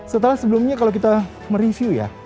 setelah sebelumnya kalau kita mereview ya